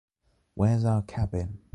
Where’s our cabin?